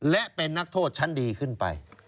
และเป็นนักโทษชั้นดีขึ้นไป